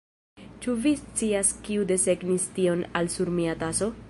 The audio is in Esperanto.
Ĉu vi scias kiu desegnis tion al sur mia taso?